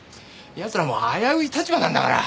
奴らも危うい立場なんだから。